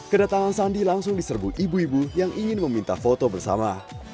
kedatangan sandi langsung diserbu ibu ibu yang ingin meminta foto bersama